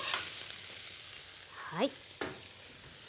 はい。